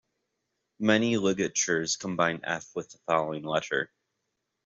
Many ligatures combine f with the following letter.